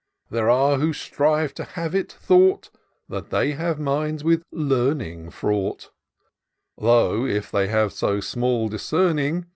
There are who strive to have it thought. That they have minds with learning fraught : Though, if they have so small discerning.